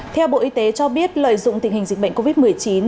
theo bộ y tế cho biết lợi dụng tình hình dịch bệnh covid một mươi chín